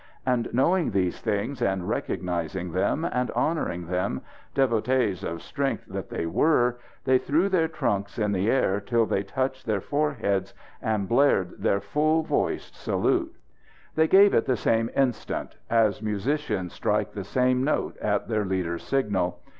And knowing these things, and recognizing them, and honouring them, devotees of strength that they were, they threw their trunks in the air till they touched their foreheads and blared their full voiced salute. They gave it the same instant as musicians strike the same note at their leader's signal.